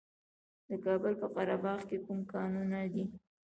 د کابل په قره باغ کې کوم کانونه دي؟